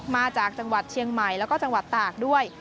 มาจากจังหวัดเชียงใหม่แล้วก็จังหวัดตากด้วย